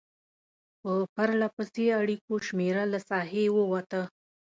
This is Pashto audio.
په پرلپسې اړیکو شمېره له ساحې ووته.